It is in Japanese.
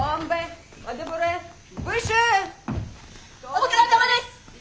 お疲れさまです！